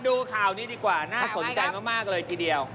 เมื่อกีดน่าสงสัยมากเลยทีเดียว